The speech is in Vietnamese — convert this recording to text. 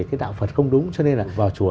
cái đạo phật không đúng cho nên là vào chùa